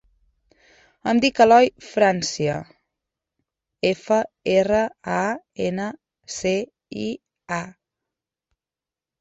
Em dic Eloy Francia: efa, erra, a, ena, ce, i, a.